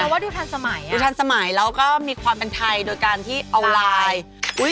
แต่ว่าดูทันสมัยดูทันสมัยแล้วก็มีความเป็นไทยโดยการที่เอาไลน์